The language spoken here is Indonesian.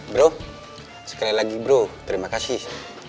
bro sekali lagi bro terima kasih